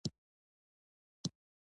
د مکې په خونه کې بوتان وو.